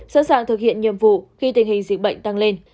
sẵn sàng thực hiện nhiệm vụ khi tình hình dịch bệnh tăng lên